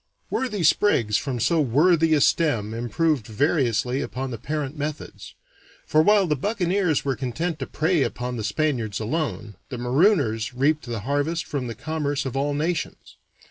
Worthy sprigs from so worthy a stem improved variously upon the parent methods; for while the buccaneers were content to prey upon the Spaniards alone, the marooners reaped the harvest from the commerce of all nations.